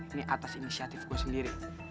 ini atas inisiatif gue sendiri